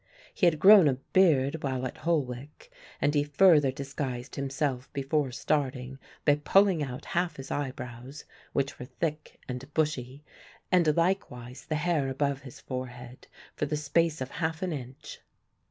He had grown a beard while at Holwick and he further disguised himself before starting by pulling out half his eyebrows, which were thick and bushy, and likewise the hair above his forehead for the space of half an inch.